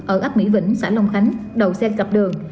ở ấp mỹ vĩnh xã long khánh đầu xe cập đường